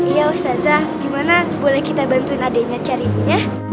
iya ustazah gimana boleh kita bantuin adeknya cari minyak